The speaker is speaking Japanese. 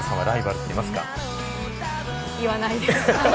言わないです。